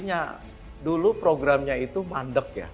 sebenarnya dulu programnya itu mandek ya